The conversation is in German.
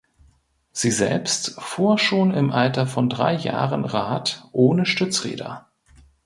Sie selbst fuhr schon im Alter von drei Jahren Rad ohne Stützräder.